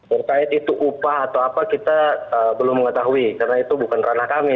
berkait itu upah atau apa kita belum mengetahui karena itu bukan ranah kami